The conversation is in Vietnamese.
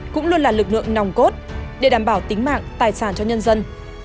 cũng luôn là lực lượng nòng cốt để đảm bảo tính mạng tài sản cho nhân dân